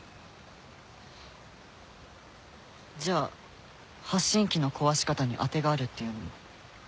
じゃあ発信器の壊し方にあてがあるっていうのも。